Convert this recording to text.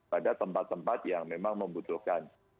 pada tempat tempat yang memang membutuhkan